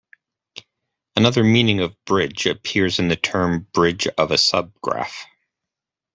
Another meaning of "bridge" appears in the term bridge of a subgraph.